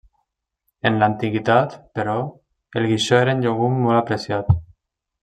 En l'antiguitat, però, el guixó era un llegum molt apreciat.